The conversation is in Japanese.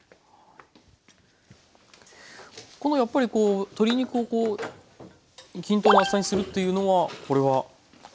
このやっぱりこう鶏肉をこう均等な厚さにするっていうのはこれは？